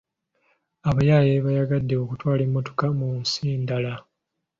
Abayaaye baayagadde okutwala emmotoka mu nsi endala.